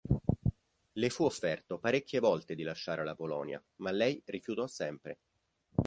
Le fu offerto parecchie volte di lasciare la Polonia, ma lei rifiutò sempre.